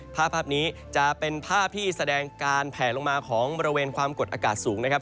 ภาพนี้จะเป็นภาพที่แสดงการแผลลงมาของบริเวณความกดอากาศสูงนะครับ